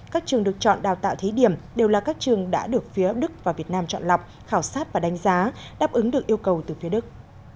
các trường được chọn đào tạo thí điểm đều là các trường đã được phía đức và việt nam chọn lọc khảo sát và đánh giá đáp ứng được yêu cầu từ phía đức